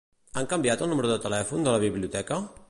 Han canviat el número de telèfon de la biblioteca?